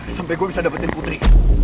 sampai gue bisa dapetin putri